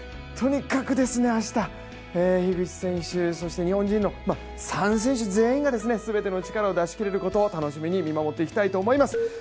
とにかく明日、樋口選手、そして日本人の３選手全員が全ての力を出し切れることを楽しみに見守っていきたいと思います。